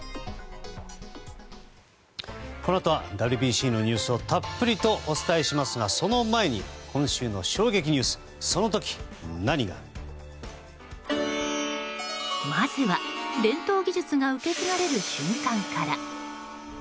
このあとはＷＢＣのニュースをたっぷりとお伝えしますがその前に、今週の衝撃ニュースその時何が。まずは、伝統技術が受け継がれる瞬間から。